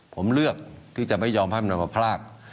ผมเลือกที่จะไม่ยอมให้มันนำมาพลาก